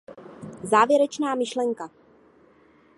Závěrečná myšlenka.